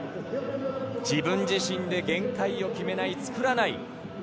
自分自身で限界を決めない作らない。